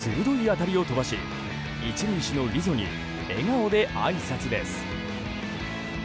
打球速度１７４キロという鋭い当たりを飛ばし１塁手のリゾに笑顔であいさつです。